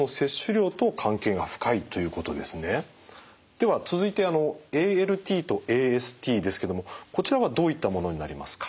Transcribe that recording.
では続いてＡＬＴとＡＳＴですけどもこちらはどういったものになりますか？